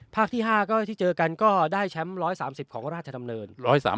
ที่๕ก็ที่เจอกันก็ได้แชมป์๑๓๐ของราชดำเนิน